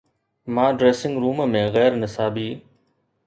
مان dressing room ۾ غير نصابي